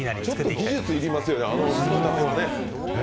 ちょっと技術要りますよね、あのつきたてをね。